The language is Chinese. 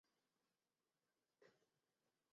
主要角色按照海军陆战队编制排列。